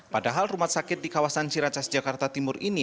padahal rumah sakit di kawasan ciracas jakarta timur ini